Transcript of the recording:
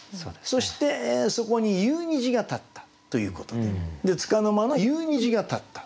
そしてそこに夕虹が立ったということで束の間の夕虹が立った。